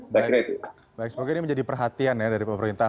baik sepuluh ini menjadi perhatian dari pemerintah